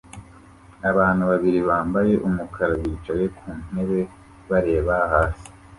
Abantu babiri bambaye umukara bicaye ku ntebe bareba hasi